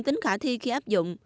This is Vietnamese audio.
tính khả thi khi áp dụng